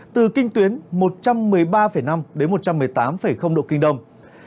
từ kinh tuyến một trăm một mươi ba năm đến một trăm một mươi tám độ kinh đông